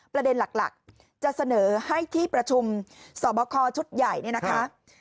ประเด็นหลักจะเสนอให้ที่ประชุมสอบคอชุดใหญ่เนี่ยนะคะ